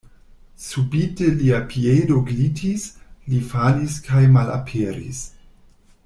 Subite lia piedo glitis; li falis kaj malaperis.